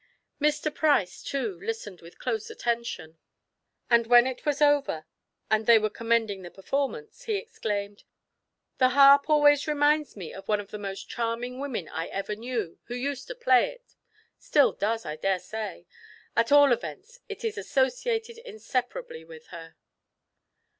Mr. Price, too, listened with close attention, and when it was over, and they were commending the performance, he exclaimed: "The harp always reminds me of one of the most charming women I ever knew, who used to play it still does, I daresay, at all events it is associated inseparably with her."